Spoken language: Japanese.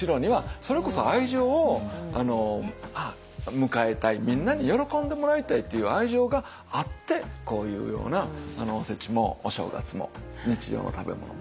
それこそ愛情を迎えたいみんなに喜んでもらいたいっていう愛情があってこういうようなおせちもお正月も日常の食べ物もあるんだと思いますよ。